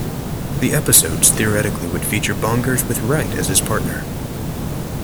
The episodes theoretically would feature Bonkers with Wright as his partner.